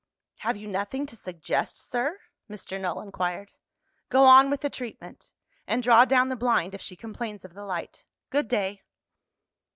"Have you nothing to suggest, sir?" Mr. Null inquired. "Go on with the treatment and draw down the blind, if she complains of the light. Good day!"